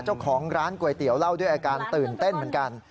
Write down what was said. เจ้าของร้านก๋วยเตี๋ยวเล่าด้วยอาการตื่นเต้นเหมือนกัน